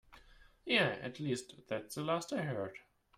Yeah, at least that's the last I heard.